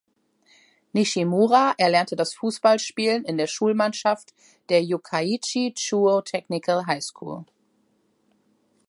Nishimura erlernte das Fußballspielen in der Schulmannschaft der "Yokkaichi Chuo Technical High School".